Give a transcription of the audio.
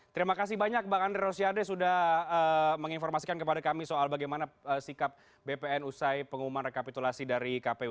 terima kasih banyak bang andre rosiade sudah menginformasikan kepada kami soal bagaimana sikap bpn usai pengumuman rekapitulasi dari kpu